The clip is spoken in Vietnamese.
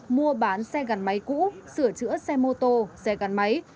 mua bán xe gắn máy cũ sửa chữa xe mô tô xe gắn máy